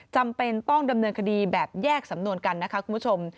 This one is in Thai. จำเป็นต้องดำเนินคดีแบบแยกสำนวนกันนะคะคุณผู้ชม